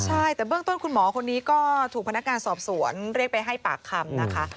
ใช่แต่เบื้องต้นคุณหมอคนนี้ก็ถูกพนักงานสอบสวนเรียกไปให้ปากคำนะคะ